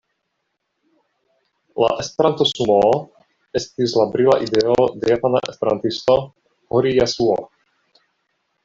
La Esperanto-sumoo estis la brila ideo de japana esperantisto, Hori Jasuo.